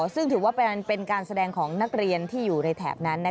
ซึ่งถือว่าเป็นการแสดงของนักเรียนที่อยู่ในแถบนั้น